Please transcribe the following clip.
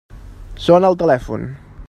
Sona el telèfon.